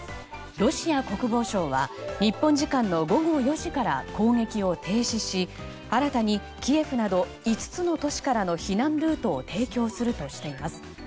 ロシア国防省は日本時間の午後４時から攻撃を停止し新たにキエフなど５つの都市からの避難ルートを提供するとしています。